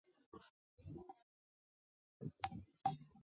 战斗以团派全胜结束。